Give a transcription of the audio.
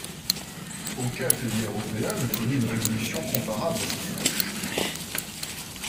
Aucun pays européen ne connut une révolution comparable à cette époque.